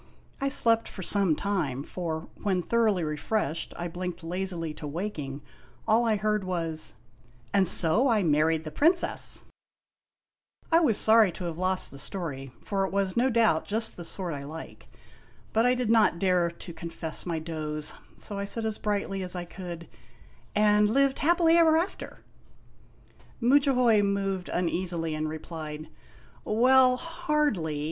I slept some time, for when, thoroughly refreshed, I blinked lazily to waking, all I heard was :" And so I married the Princess !" I was sorry to have lost the story, for it was, no doubt, just the sort I like. But I did not dare to confess my doze, so I said as brightly as I could :" And lived happily ever after !" Mudjahoy moved uneasily, and replied : "Well, hardly.